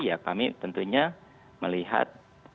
ya kami tentunya melihat